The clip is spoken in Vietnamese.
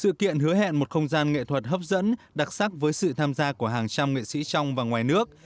sự kiện hứa hẹn một không gian nghệ thuật hấp dẫn đặc sắc với sự tham gia của hàng trăm nghệ sĩ trong và ngoài nước